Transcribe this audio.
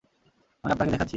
আমি আপনাকে দেখাচ্ছি।